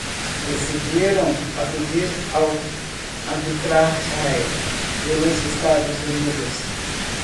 Decidieron acudir al arbitraje de los Estados Unidos.